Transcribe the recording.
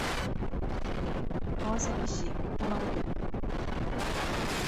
川崎市多摩区